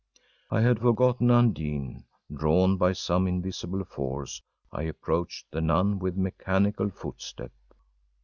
I had forgotten Undine. Drawn by some invisible force, I approached the nun with mechanical footstep.